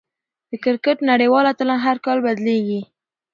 د کرکټ نړۍوال اتلان هر کال بدلېږي.